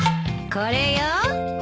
これよ。